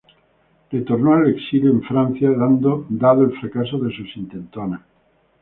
Retornó al exilio en Francia, dado el fracaso de sus intentonas.